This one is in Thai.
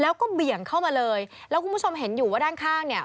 แล้วก็เบี่ยงเข้ามาเลยแล้วคุณผู้ชมเห็นอยู่ว่าด้านข้างเนี่ย